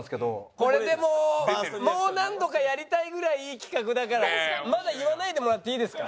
これでももう何度かやりたいぐらいいい企画だからまだ言わないでもらっていいですか？